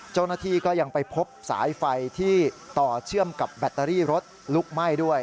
เจ้าหน้าที่ก็ยังไปพบสายไฟที่ต่อเชื่อมกับแบตเตอรี่รถลุกไหม้ด้วย